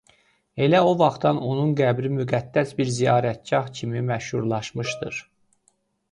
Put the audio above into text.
Elə o vaxtdan onun qəbri müqəddəs bir ziyarətgah kimi məşhurlaşmışdır.